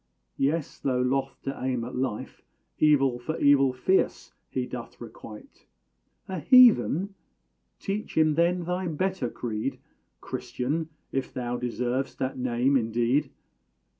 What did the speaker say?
Yes; though loth to aim at life, Evil for evil fierce he doth requite. A heathen? Teach him, then, thy better creed, Christian! if thou deserv'st that name indeed.